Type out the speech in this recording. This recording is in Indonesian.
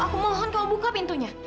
aku mohon kamu buka pintunya